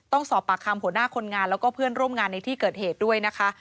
ต้องสอบปากคำหัวหน้าคนงานแล้วก็เพื่อนร่วมงานในที่เกิดเหตุด้วยนะคะ